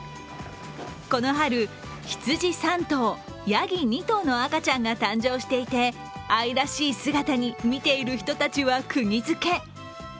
この春、羊３頭、やぎ２頭の赤ちゃんが誕生していて愛らしい姿に見ている人たちはくぎづけ。